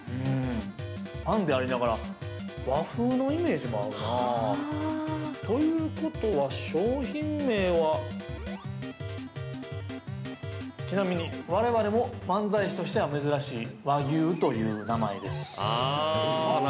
パンでありながら和風のイメージもあるなあ。ということは、商品名はちなみに我々も漫才師としては珍しい、和牛という名前です。